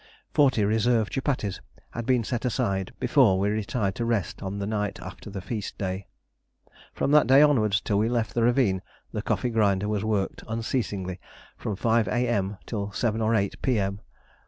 Forty reserve chupatties had been set aside before we retired to rest on the night after the feast day. From that day onwards till we left the ravine the coffee grinder was worked unceasingly from 5 A.M. till 7 or 8 P.M.